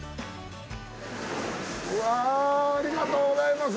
わぁありがとうございます。